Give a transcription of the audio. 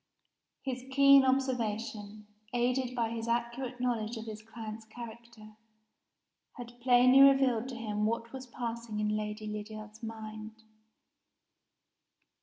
His keen observation, aided by his accurate knowledge of his client's character, had plainly revealed to him what was passing in Lady Lydiard's mind.